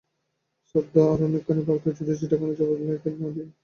শ্রদ্ধা আরো অনেকখানি বাড়ত যদি চিঠিখানার জবাব লিখে না দিয়ে মুখে দেওয়া যেত।